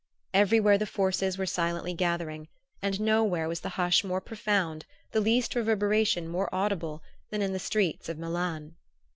Everywhere the forces were silently gathering; and nowhere was the hush more profound, the least reverberation more audible, than in the streets of Milan.